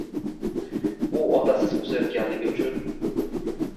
U otasiz o‘sayotganligi uchun.